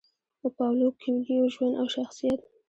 د پاولو کویلیو ژوند او شخصیت: